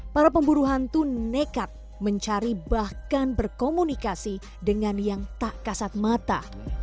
para pemburu hantu nekat mencari bahkan berkomunikasi dengan yang tak kasat mata